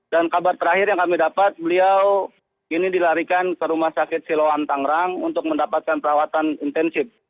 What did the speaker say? dan kabar terakhir yang kami dapat beliau ini dilarikan ke rumah sakit siloam tanggerang untuk mendapatkan perawatan intensif